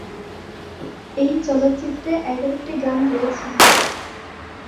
এই চলচ্চিত্রে এগারোটি গান রয়েছে।